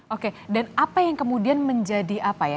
oke dan apa yang kemudian menjadi apa ya